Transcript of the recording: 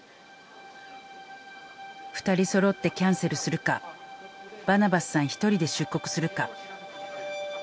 ２人そろってキャンセルするかバナバスさん１人で出国するか。